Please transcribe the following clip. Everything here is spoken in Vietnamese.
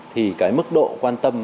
thì cái mức độ quan tâm